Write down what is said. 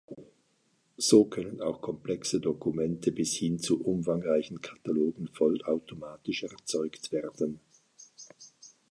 So können auch komplexe Dokumente bis hin zu umfangreichen Katalogen vollautomatisch erzeugt werden.